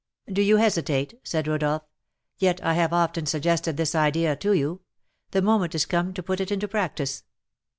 "Do you hesitate?" said Rodolph. "Yet I have often suggested this idea to you; the moment is come to put it into practice."